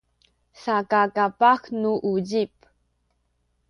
saka kapah nu uzip